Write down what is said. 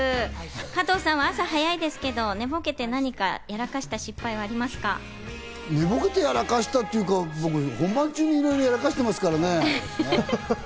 加藤さんは朝早いですけど、寝ぼけて何かやらかした失敗はあ寝ぼけてやらかしたっていうか、僕、本番中にいろいろやらかしてますからね。